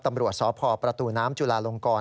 ตำรวจสพประตูน้ำจุลาลงกร